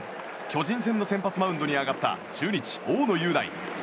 巨人戦の先発マウンドに上がった中日、大野雄大。